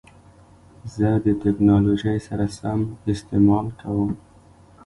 زه د ټکنالوژۍ سم استعمال کوم.